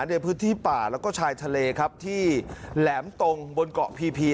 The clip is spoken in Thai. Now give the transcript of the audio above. ในพื้นที่ป่าแล้วก็ชายทะเลครับที่แหลมตรงบนเกาะพีพี